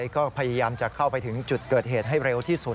ก็พยายามจะเข้าไปถึงจุดเกิดเหตุให้เร็วที่สุด